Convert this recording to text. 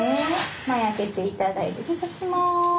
前開けて頂いて診察します。